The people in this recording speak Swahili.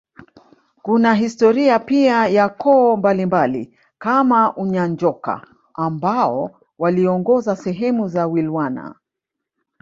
Kuna historia pia ya koo mbalimbali kama Unyanjoka ambao waliongoza sehemu za Wilwana